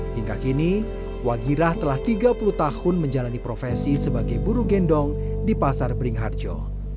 hingga kini wagirah telah tiga puluh tahun menjalani profesi sebagai buru gendong di pasar beringharjo